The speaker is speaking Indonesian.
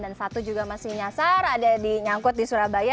dan satu juga masih nyasar ada dinyangkut di surabaya